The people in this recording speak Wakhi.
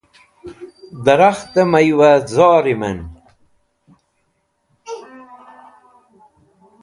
Darakht-e maywazor-e man